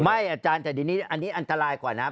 อาจารย์แต่ทีนี้อันนี้อันตรายกว่านะ